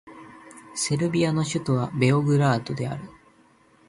セルビアの首都はベオグラードである